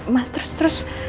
mas terus terus